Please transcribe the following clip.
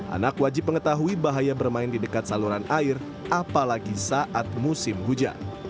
anak wajib mengetahui bahaya bermain di dekat saluran air apalagi saat musim hujan